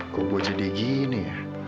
kok buat jadi gini